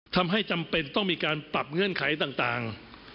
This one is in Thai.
ทำให้จำเป็นต้องมีการปรับเงื่อนไขต่าง